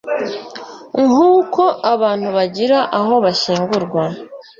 Nk'uko abantu bagira aho bashyingurwa